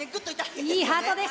いいハートです。